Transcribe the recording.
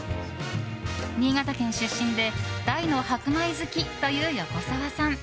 新潟県出身で大の白米好きという横澤さん。